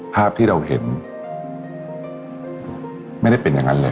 ภาพที่เราเห็นไม่ได้เป็นอย่างนั้นเลย